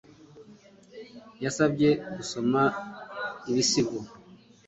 Yansabye gusoma ibisigo